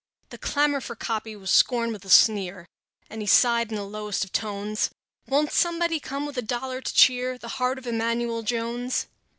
The clamor for copy was scorned with a sneer, And he sighed in the lowest of tones: "Won't somebody come with a dollar to cheer The heart of Emanuel Jones?"